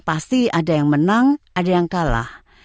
pasti ada yang menang ada yang kalah